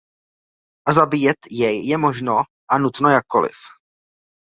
A zabíjet jej je možno a nutno jakkoliv.